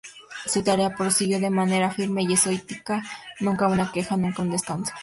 Su tarea prosiguió de manera firme y estoica; nunca una queja, nunca un descanso.